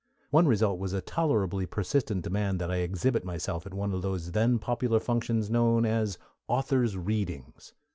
One result was a tolerably persistent demand that I exhibit myself at one of those then popular functions known as Authors' Readings.